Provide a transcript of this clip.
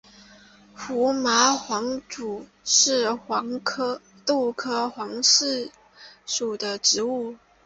胡麻黄耆为豆科黄芪属的植物。